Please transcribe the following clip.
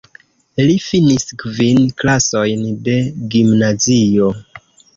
Li finis kvin klasojn de gimnazio.